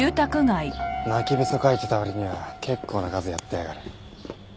泣きべそかいてた割には結構な数やってやがる。